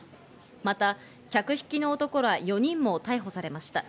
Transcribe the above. また客引きの男ら４人も逮捕されました。